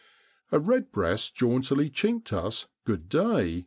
A redbreast jauntily chinked us ' good day